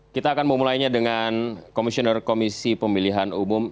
kita akan memulainya dengan komisioner komisi pemilihan umum